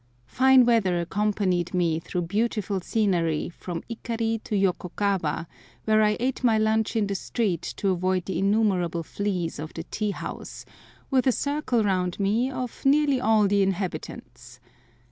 Fine weather accompanied me through beautiful scenery from Ikari to Yokokawa, where I ate my lunch in the street to avoid the innumerable fleas of the tea house, with a circle round me of nearly all the inhabitants.